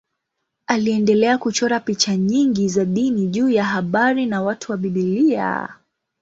Aliendelea kuchora picha nyingi za dini juu ya habari na watu wa Biblia.